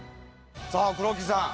さあ黒木さん！